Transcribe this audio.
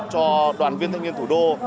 cho đoàn viên thanh niên thủ đô